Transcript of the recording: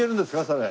それ。